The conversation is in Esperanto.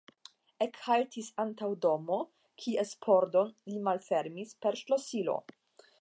Ekhaltis antaŭ domo, kies pordon li malfermis per ŝlosilo.